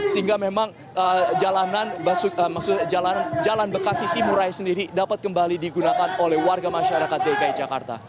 sehingga memang jalan bekasi timuraya sendiri dapat kembali digunakan oleh warga masyarakat dki jakarta